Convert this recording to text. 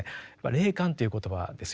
「霊感」という言葉ですよね。